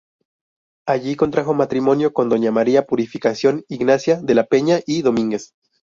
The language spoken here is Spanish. Allí contrajo matrimonio con doña María Purificación Ignacia de la Peña y Domínguez.